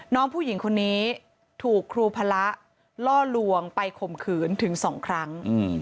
น้องผู้หญิงคนนี้ถูกครูพระล่อลวงไปข่มขืนถึง๒ครั้ง